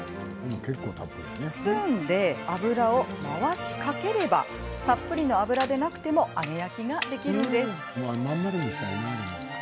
スプーンで油を回しかければたっぷりの油でなくても揚げ焼きができます。